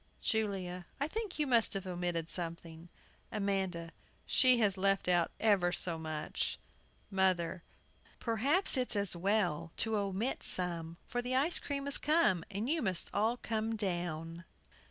JULIA. I think you must have omitted something. AMANDA. She has left out ever so much! MOTHER. Perhaps it's as well to omit some, for the ice cream has come, and you must all come down.